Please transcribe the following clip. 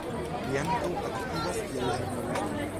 Li ankaŭ aktivas kiel ĵurnalisto.